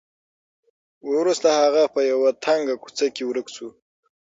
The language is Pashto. وروسته هغه په یوه تنګه کوڅه کې ورک شو.